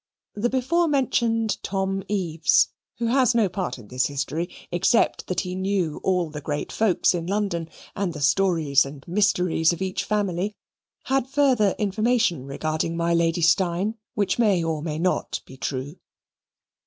The before mentioned Tom Eaves (who has no part in this history, except that he knew all the great folks in London, and the stories and mysteries of each family) had further information regarding my Lady Steyne, which may or may not be true.